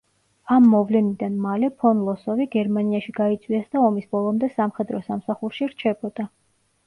ამ მოვლენიდან მალე ფონ ლოსოვი გერმანიაში გაიწვიეს და ომის ბოლომდე სამხედრო სამსახურში რჩებოდა.